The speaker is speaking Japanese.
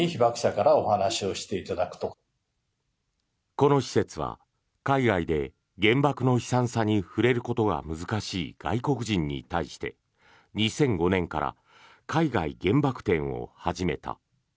この施設は海外で原爆の悲惨さに触れることが難しい外国人に対して、２００５年から海外原爆展を始めた。